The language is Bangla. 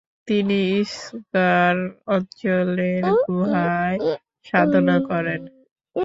তিনি ম্গার অঞ্চলের গুহায় সাধনা করেন।